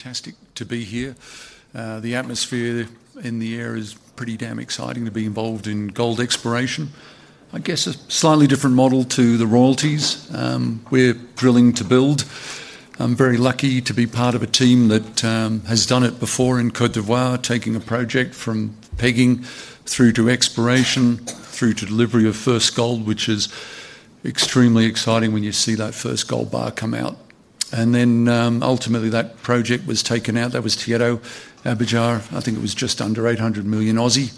Fantastic to be here. The atmosphere in the air is pretty damn exciting to be involved in gold exploration. I guess a slightly different model to the royalties. We're thrilling to build. I'm very lucky to be part of a team that has done it before in Côte d'Ivoire, taking a project from pegging through to exploration, through to delivery of first gold, which is extremely exciting when you see that first gold bar come out. Ultimately that project was taken out. That was Tierro Abidjar. I think it was just under $800 million Aussie.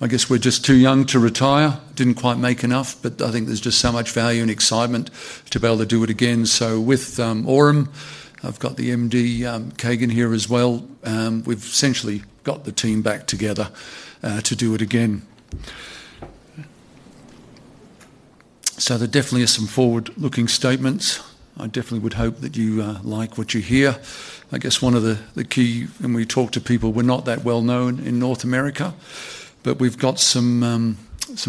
I guess we're just too young to retire. It didn't quite make enough, but I think there's just so much value and excitement to be able to do it again. With Aurum, I've got the MD, Kagan, here as well. We've essentially got the team back together to do it again. There definitely are some forward-looking statements. I definitely would hope that you like what you hear. I guess one of the key, and we talk to people, we're not that well known in North America, but we've got some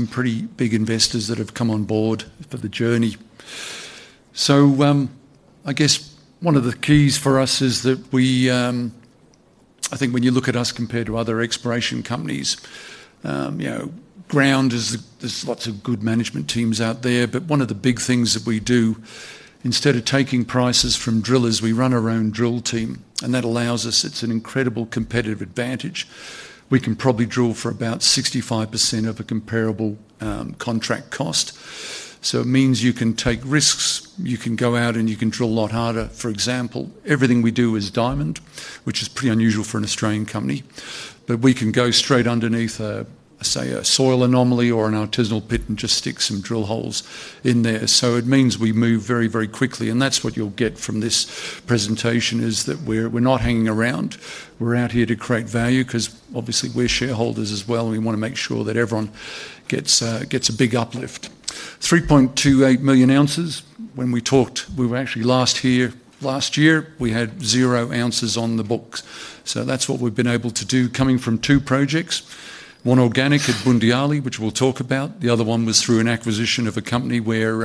pretty big investors that have come on board for the journey. I guess one of the keys for us is that we, I think when you look at us compared to other exploration companies, you know, ground is, there's lots of good management teams out there, but one of the big things that we do, instead of taking prices from drillers, we run our own drill team. That allows us, it's an incredible competitive advantage. We can probably drill for about 65% of a comparable contract cost. It means you can take risks, you can go out and you can drill a lot harder. For example, everything we do is diamond, which is pretty unusual for an Australian company. We can go straight underneath, say, a soil anomaly or an artisanal pit and just stick some drill holes in there. It means we move very, very quickly. That's what you'll get from this presentation, that we're not hanging around. We're out here to create value because obviously we're shareholders as well. We want to make sure that everyone gets a big uplift. 3.28 million ounces. When we talked, we were actually last year, last year we had zero ounces on the books. That's what we've been able to do coming from two projects. One organic at Bundiali, which we'll talk about. The other one was through an acquisition of a company where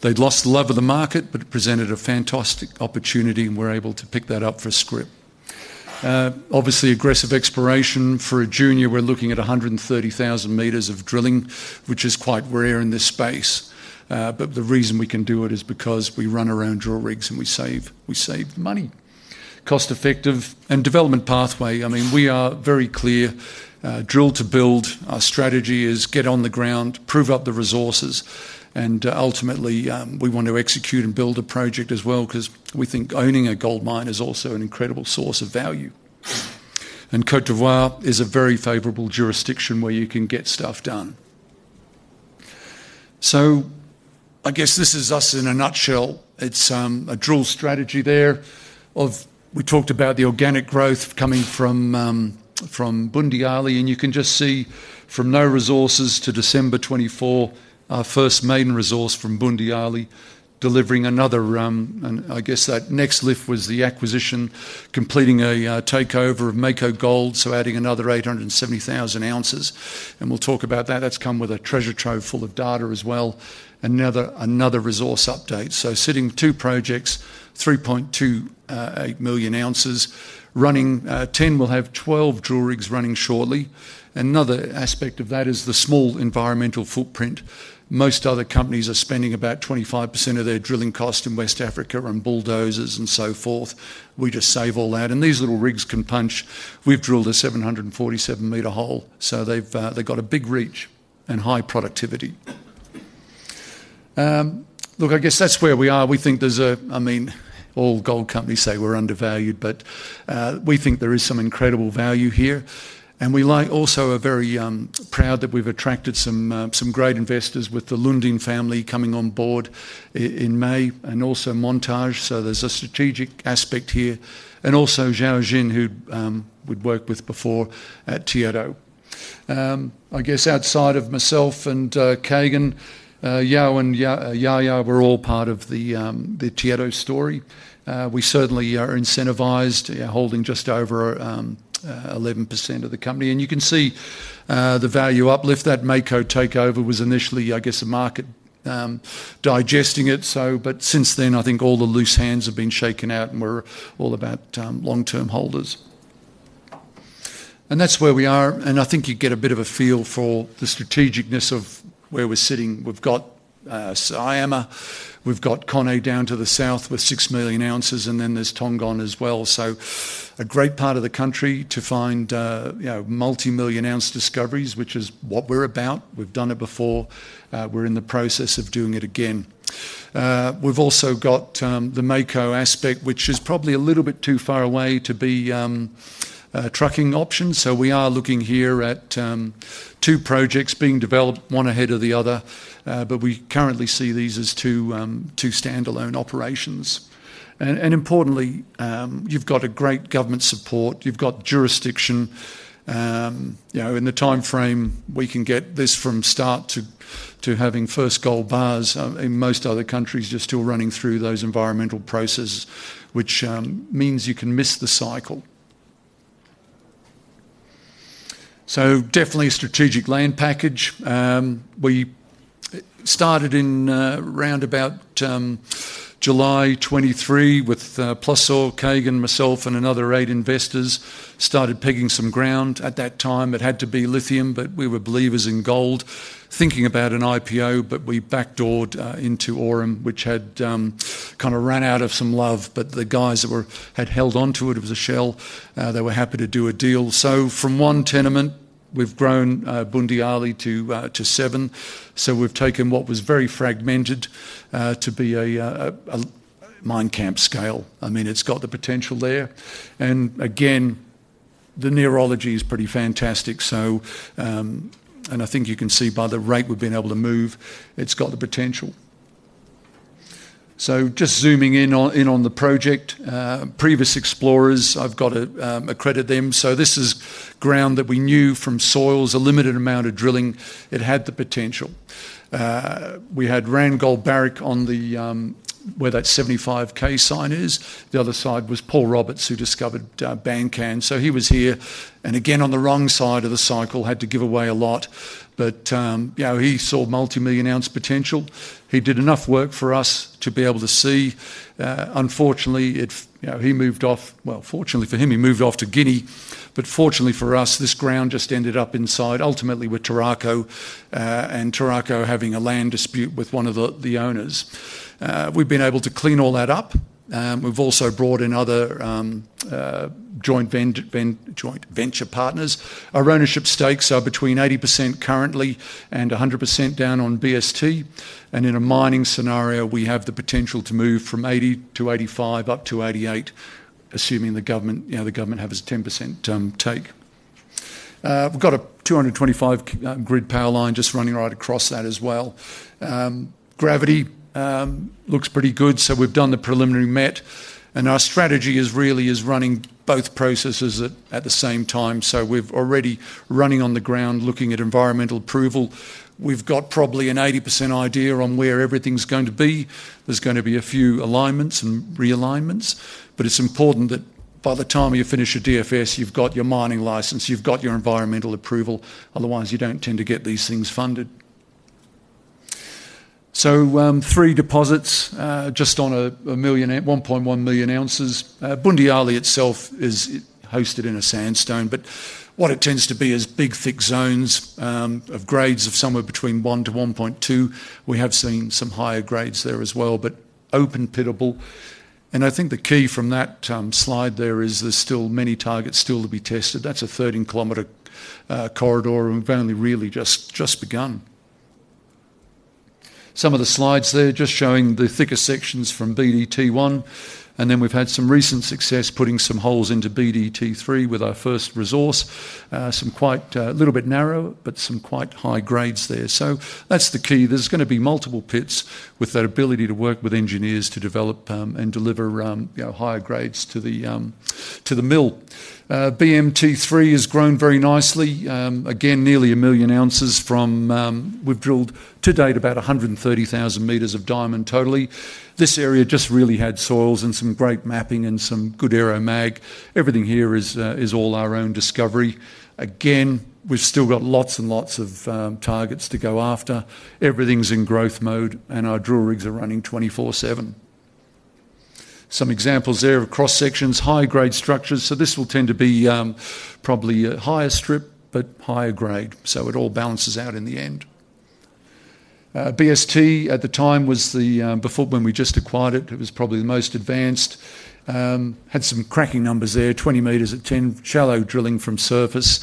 they'd lost the love of the market, but it presented a fantastic opportunity and we're able to pick that up for script. Obviously, aggressive exploration for a junior, we're looking at 130,000 meters of drilling, which is quite rare in this space. The reason we can do it is because we run around drill rigs and we save, we save money. Cost-effective and development pathway. I mean, we are very clear. Drill to build, our strategy is get on the ground, prove up the resources, and ultimately we want to execute and build a project as well because we think owning a gold mine is also an incredible source of value. Côte d'Ivoire is a very favorable jurisdiction where you can get stuff done. I guess this is us in a nutshell. It's a drill strategy there. We talked about the organic growth coming from Bundiali, and you can just see from no resources to December 2024, our first maiden resource from Bundiali, delivering another, and I guess that next lift was the acquisition, completing a takeover of Mako Gold, so adding another 870,000 ounces. We'll talk about that. That's come with a treasure trove full of data as well. Now another resource update. Sitting two projects, 3.28 million ounces, running 10, we'll have 12 drill rigs running shortly. Another aspect of that is the small environmental footprint. Most other companies are spending about 25% of their drilling cost in West Africa on bulldozers and so forth. We just save all that. These little rigs can punch. We've drilled a 747 meter hole. They've got a big reach and high productivity. I guess that's where we are. We think there's a, I mean, all gold companies say we're undervalued, but we think there is some incredible value here. We also are very proud that we've attracted some great investors with the Lundin family coming on board in May and also Montage. There's a strategic aspect here. Also Xiao Jin, who we'd worked with before at Tierro. I guess outside of myself and Kagan, Yao and Yaya were all part of the Tierro story. We certainly are incentivized, holding just over 11% of the company. You can see the value uplift. That Mako takeover was initially, I guess, a market digesting it. Since then, I think all the loose hands have been shaken out and we're all about long-term holders. That's where we are. I think you get a bit of a feel for the strategicness of where we're sitting. We've got Saoema, we've got Coney down to the south with 6 million ounces, and then there's Tongon as well. A great part of the country to find, you know, multi-million ounce discoveries, which is what we're about. We've done it before. We're in the process of doing it again. We've also got the Mako aspect, which is probably a little bit too far away to be a trucking option. We are looking here at two projects being developed, one ahead of the other. We currently see these as two standalone operations. Importantly, you've got great government support. You've got jurisdiction. In the timeframe, we can get this from start to having first gold bars in most other countries just still running through those environmental processes, which means you can miss the cycle. Definitely a strategic land package. We started in around July 2023 with Plusor, Kagan, myself, and another eight investors started pegging some ground. At that time, it had to be lithium, but we were believers in gold, thinking about an IPO, but we backdoored into Aurum, which had kind of ran out of some love. The guys that had held onto it, it was a shell. They were happy to do a deal. From one tenement, we've grown Bundiali to seven. We've taken what was very fragmented to be a mine camp-scale. It's got the potential there. The neurology is pretty fantastic. I think you can see by the rate we've been able to move, it's got the potential. Just zooming in on the project, previous explorers, I've got to credit them. This is ground that we knew from soils, a limited amount of drilling. It had the potential. We had Randgold Barrick on the, where that 75K sign is. The other side was Paul Roberts, who discovered Bandcan. He was here. On the wrong side of the cycle, had to give away a lot. He saw multi-million ounce potential. He did enough work for us to be able to see. Unfortunately, he moved off. Fortunately for him, he moved off to Guinea. Fortunately for us, this ground just ended up inside, ultimately with Taraco and Taraco having a land dispute with one of the owners. We've been able to clean all that up. We've also brought in other joint venture partners. Our ownership stakes are between 80% currently and 100% down on BST. In a mining scenario, we have the potential to move from 80% to 85% up to 88%, assuming the government, you know, the government has a 10% take. We've got a 225 kV grid power line just running right across that as well. Gravity looks pretty good. We've done the preliminary met, and our strategy is really running both processes at the same time. We've already running on the ground, looking at environmental approval. We've got probably an 80% idea on where everything's going to be. There's going to be a few alignments and realignments. It's important that by the time you finish your DFS, you've got your mining license, you've got your environmental approval. Otherwise, you don't tend to get these things funded. Three deposits just on a million, $1.1 million ounces. Bundiali itself is hosted in a sandstone, but what it tends to be is big, thick zones of grades of somewhere between 1 to 1.2. We have seen some higher grades there as well, but open pittable. I think the key from that slide there is there's still many targets still to be tested. That's a 13-kilometer corridor and we've only really just begun. Some of the slides there just showing the thicker sections from BDT1. We've had some recent success putting some holes into BDT3 with our first resource. Some quite, a little bit narrow, but some quite high grades there. That's the key. There's going to be multiple pits with that ability to work with engineers to develop and deliver higher grades to the mill. BMT3 has grown very nicely. Again, nearly a million ounces from we've drilled to date about 130,000 meters of diamond totally. This area just really had soils and some great mapping and some good aeromag. Everything here is all our own discovery. Again, we've still got lots and lots of targets to go after. Everything's in growth mode and our drill rigs are running 24/7. Some examples there of cross sections, high-grade structures. This will tend to be probably a higher strip, but higher grade. It all balances out in the end. BST at the time was, before when we just acquired it, it was probably the most advanced. Had some cracking numbers there, 20 meters at 10 shallow drilling from surface.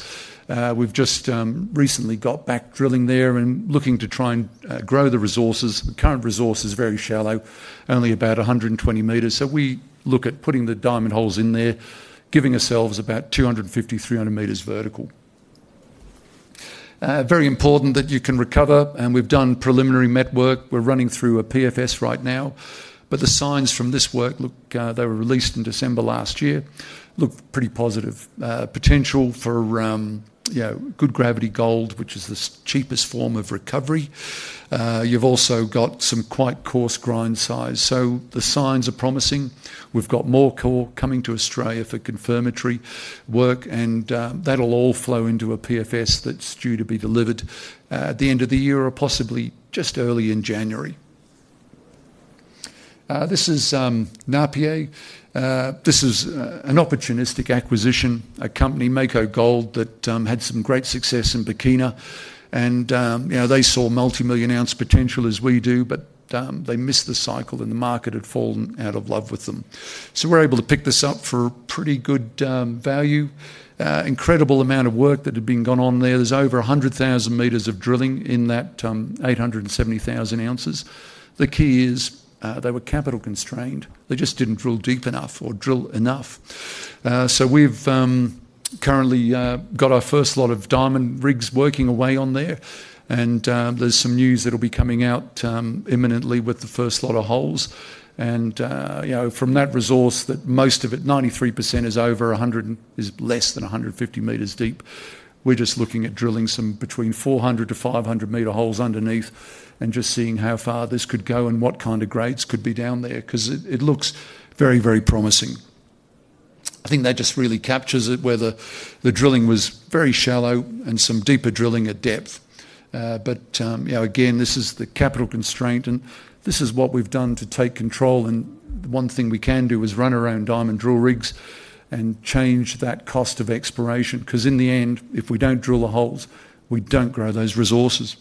We've just recently got back drilling there and looking to try and grow the resources. The current resource is very shallow, only about 120 meters. We look at putting the diamond holes in there, giving ourselves about 250, 300 meters vertical. Very important that you can recover. We've done preliminary network. We're running through a PFS right now. The signs from this work look, they were released in December last year, look pretty positive. Potential for, you know, good gravity gold, which is the cheapest form of recovery. You've also got some quite coarse grind size. The signs are promising. We've got more core coming to Australia for confirmatory work, and that'll all flow into a PFS that's due to be delivered at the end of the year or possibly just early in January. This is Napié. This is an opportunistic acquisition, a company, Mako Gold, that had some great success in Burkina. They saw multi-million ounce potential as we do, but they missed the cycle and the market had fallen out of love with them. We were able to pick this up for a pretty good value. Incredible amount of work that had been gone on there. There's over 100,000 meters of drilling in that 870,000 ounces. The key is they were capital constrained. They just didn't drill deep enough or drill enough. We've currently got our first lot of diamond rigs working away on there. There's some news that'll be coming out imminently with the first lot of holes. From that resource, most of it, 93% is less than 150 meters deep. We're just looking at drilling some between 400 to 500 meter holes underneath and just seeing how far this could go and what kind of grades could be down there because it looks very, very promising. I think that just really captures it where the drilling was very shallow and some deeper drilling at depth. This is the capital constraint and this is what we've done to take control. The one thing we can do is run around diamond drill rigs and change that cost of exploration because in the end, if we don't drill the holes, we don't grow those resources.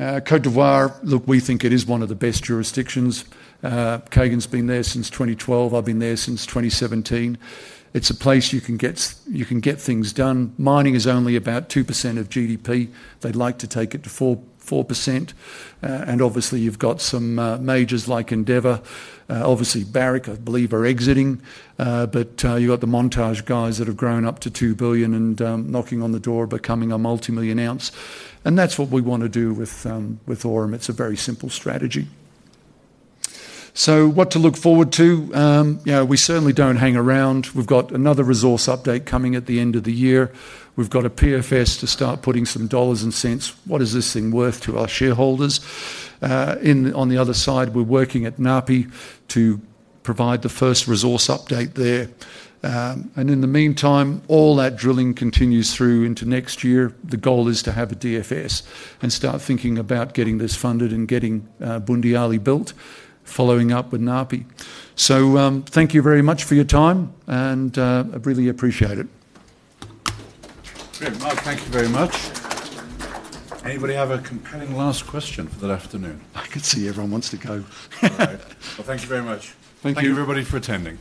Côte d'Ivoire, look, we think it is one of the best jurisdictions. Kagan's been there since 2012. I've been there since 2017. It's a place you can get, you can get things done. Mining is only about 2% of GDP. They'd like to take it to 4%. Obviously, you've got some majors like Endeavour. Barrick, I believe, are exiting. You've got the Montage guys that have grown up to $2 billion and knocking on the door, becoming a multi-million ounce. That's what we want to do with Aurum. It's a very simple strategy. What to look forward to? We certainly don't hang around. We've got another resource update coming at the end of the year. We've got a PFS to start putting some dollars and cents. What is this thing worth to our shareholders? On the other side, we're working at Napié to provide the first resource update there. In the meantime, all that drilling continues through into next year. The goal is to have a DFS and start thinking about getting this funded and getting Bundiali built, following up with Napié. Thank you very much for your time, and I really appreciate it. Good. Thank you very much. Anybody have a compelling last question for that afternoon? I can see everyone wants to go. Thank you very much. Thank you, everybody, for attending.